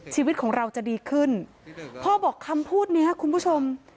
ชีวิตของเราจะดีขึ้นพ่อบอกคำพูดนี้คุณผู้ชม